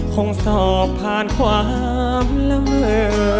คงสอบผ่านความละเวอ